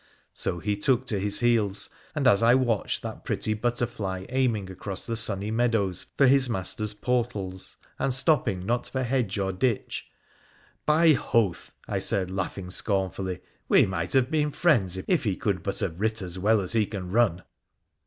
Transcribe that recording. So he took to his heels, and as I watched that pretty butterfly aiming across the sunny meadows for his master's portals, and stopping not for hedge or ditch, ' By Hoth,' I said, laughing scornfully, ' we might have been friends if he could but have writ as well as he can run